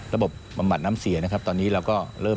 บำบัดน้ำเสียนะครับตอนนี้เราก็เริ่ม